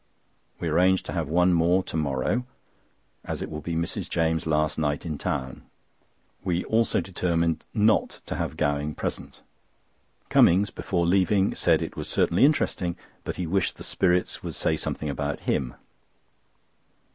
We arranged to have one more to morrow, as it will be Mrs. James' last night in town. We also determined not to have Gowing present. Cummings, before leaving, said it was certainly interesting, but he wished the spirits would say something about him.